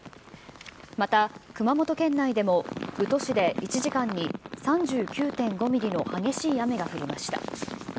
また、熊本県内でも、宇土市で１時間に３９．５ミリの激しい雨が降りました。